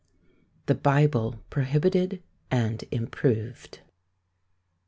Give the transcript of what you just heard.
THE BIBLE PROHIBITED AND IMPROVED.